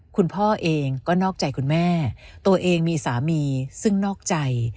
คุณพ่อเองก็นอกใจคุณแม่ตัวเองมีสามีซึ่งนอกใจ